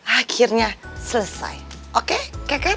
akhirnya selesai oke keket